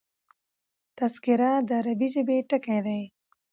تذکره د عربي ژبي ټکی دﺉ.